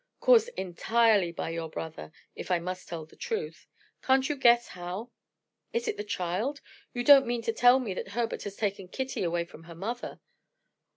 "Caused entirely by your brother if I must tell the truth. Can't you guess how?" "Is it the child? You don't mean to tell me that Herbert has taken Kitty away from her mother!"